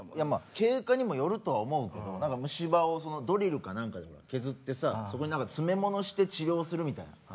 経過にもよるとは思うけど虫歯をドリルか何かで削ってさそこに詰め物して治療するみたいなそんなんじゃない？